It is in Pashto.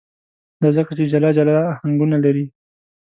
دا ځکه چې جلا جلا آهنګونه لري.